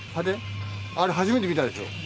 あれ初めて見たでしょ？